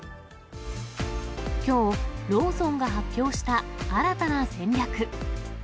きょう、ローソンが発表した新たな戦略。